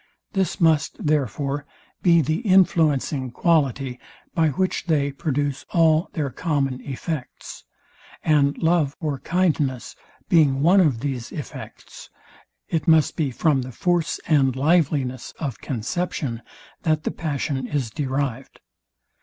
This must, therefore, be the influencing quality, by which they produce all their common effects; and love or kindness being one of these effects, it must be from the force and liveliness of conception, that the passion is derived.